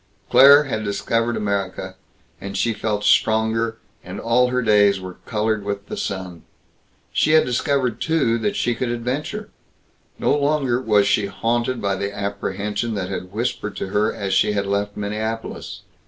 Claire had discovered America, and she felt stronger, and all her days were colored with the sun. She had discovered, too, that she could adventure. No longer was she haunted by the apprehension that had whispered to her as she had left Minneapolis.